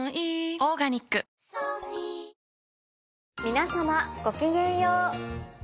皆様ごきげんよう。